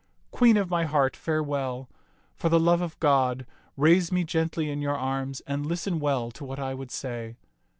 Queen of my heart, farewell. For the love of God, raise me gently in your arms and listen well to what I would say.